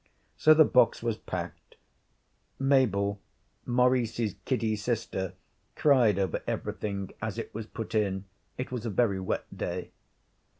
So the box was packed. Mabel, Maurice's kiddy sister, cried over everything as it was put in. It was a very wet day.